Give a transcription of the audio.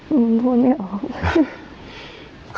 ผมพูดไม่ออก